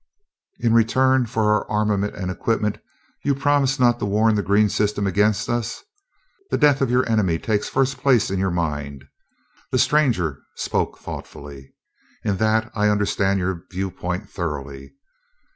"In return for our armament and equipment, you promise not to warn the green system against us? The death of your enemy takes first place in your mind?" The stranger spoke thoughtfully. "In that I understand your viewpoint thoroughly.